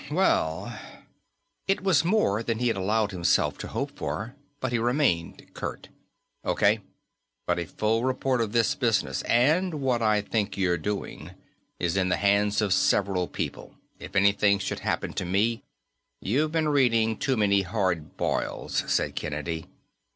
"Mmmm well " It was more than he had allowed himself to hope for, but he remained curt: "Okay. But a full report of this business, and what I think you're doing, is in the hands of several people. If anything should happen to me " "You've been reading too many hard boileds," said Kennedy.